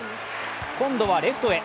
今度はレフトへ。